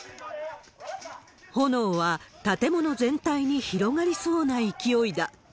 炎は建物全体に広がりそうな勢いだ。